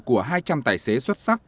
của hai trăm linh tài xế xuất sắc